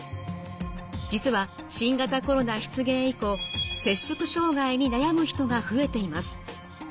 実は新型コロナ出現以降摂食障害に悩む人が増えています。